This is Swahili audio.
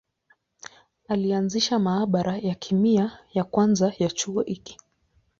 Alianzisha maabara ya kemia ya kwanza ya chuo hiki.